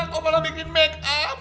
kau malah bikin make up